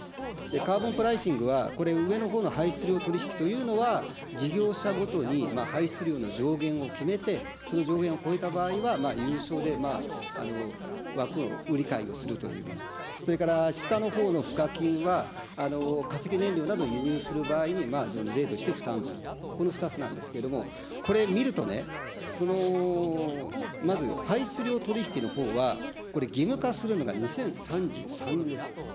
カーボンプライシングはこれ、上のほうの排出量取り引きというのは、事業者ごとに排出量の上限を決めて、その上限を超えた場合は、有償で枠の売り買いをするというのを、それから下のほうの賦課金は、化石燃料などを輸入する場合に、税として負担する、この２つなんですけど、これ見るとね、まず排出量取り引きのほうは、これ、義務化するのが２０３３年ですよ。